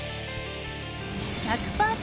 １００％